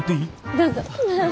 どうぞ。